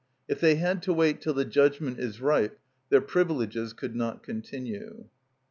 If they had to wait till the judgment is ripe, their privileges could not continue.